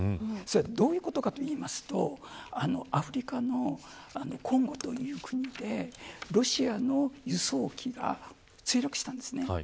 どういうことかと言いますとアフリカのコンゴという国でロシアの輸送機が墜落したんですね。